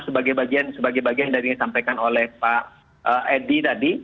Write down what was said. sebagai bagian bagian yang tadi disampaikan oleh pak edi tadi